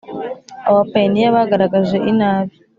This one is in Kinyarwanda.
Abo bapayiniya bagaragaje inabi